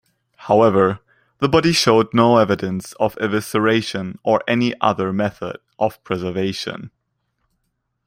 However, the body showed no evidence of evisceration or any other method of preservation.